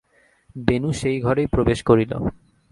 বেণু সেই ঘরেই প্রবেশ করিল।